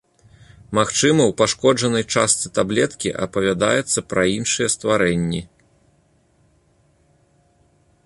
Магчыма, у пашкоджанай частцы таблеткі апавядаецца пра іншыя стварэнні.